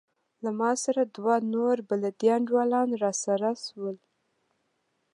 له ما سره دوه نور بلدي انډيوالان راسره سول.